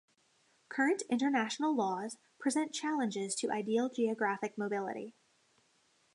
Current international laws present challenges to ideal geographic mobility.